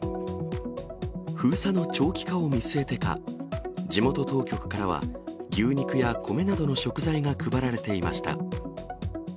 封鎖の長期化を見据えてか、地元当局からは、牛肉やコメなどの食材が配られていました。